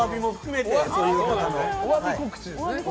お詫び告知ですね。